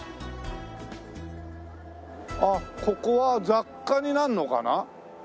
あっここは雑貨になるのかな？